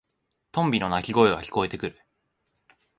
トンビの鳴き声が聞こえてくる。